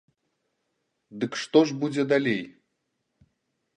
Дык што ж будзе далей?